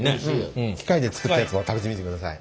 機械で作ったやつも食べてみてください。